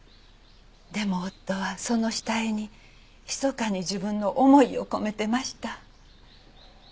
でも夫はその下絵にひそかに自分の思いを込めてました。